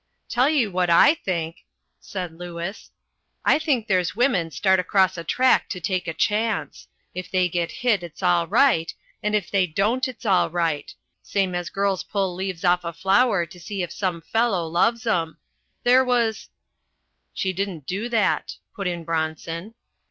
"Tell ye what I think," said Lewis. "I think there's women start across a track to take a chance. If they get hit it's all right, and if they don't it's all right. Same as girls pull leaves off a flower to see if some fellow loves 'em. There was " "She didn't do that," put in Bronson.